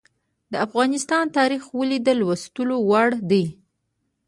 د افغانستان تاریخ ولې د لوستلو وړ دی؟